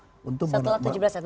setelah tujuh belas agustus